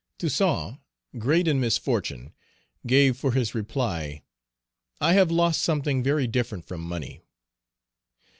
Toussaint, great in misfortune, gave for his reply, "I have lost something very different from money."